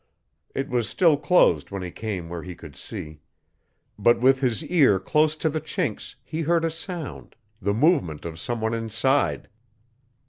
It was still closed when he came where he could see. But with his ear close to the chinks he heard a sound the movement of some one inside.